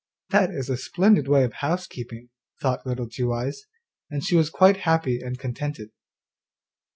'That is a splendid way of housekeeping,' thought Little Two eyes, and she was quite happy and contented.